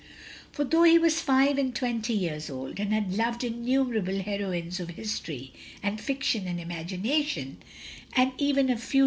For though he was five and twenty years old, and had loved innumerable heroines of history and fiction and imagination, and even a few 236 THE